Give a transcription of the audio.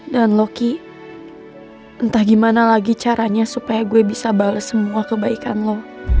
dan lo ki entah gimana lagi caranya supaya gue bisa bales semua kebaikan lo